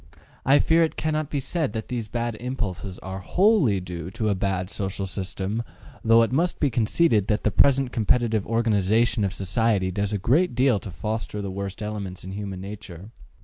I fear it cannot be said that these bad impulses are WHOLLY due to a bad social system, though it must be conceded that the present competitive organization of society does a great deal to foster the worst elements in human nature.